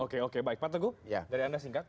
oke oke baik pak teguh dari anda singkat